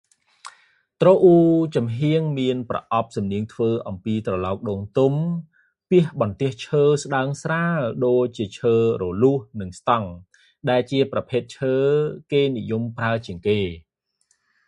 ទ្រអ៊ូចំហៀង មានប្រអប់សំនៀងធ្វើ អំពីត្រឡោកដូងទុំ ពាសបន្ទះឈើស្តើងស្រាលដូចជាឈើរលួសនិងស្តង់ ដែលជាប្រភេទ ឈើគេនិយមប្រើជាងគេ ។